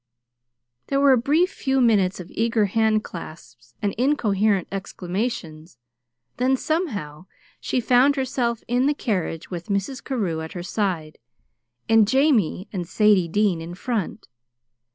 There were a brief few minutes of eager handclasps and incoherent exclamations, then, somehow, she found herself in the carriage with Mrs. Carew at her side, and Jamie and Sadie Dean in front.